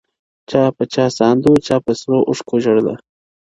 • چا په ساندو چا په سرو اوښکو ژړله -